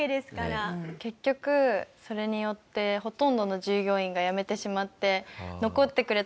結局それによってほとんどの従業員が辞めてしまって。